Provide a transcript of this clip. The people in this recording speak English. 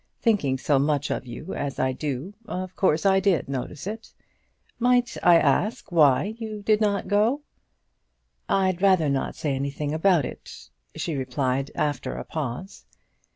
Thinking so much of you as I do, of course I did notice it. Might I ask you why you did not go?" "I'd rather not say anything about it," she replied, after a pause.